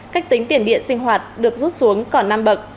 cách tính tiền điện sinh hoạt được rút xuống còn năm bậc